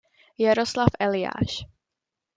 Jaroslav Eliáš.